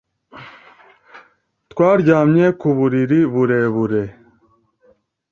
Twaryamye ku buriri burebure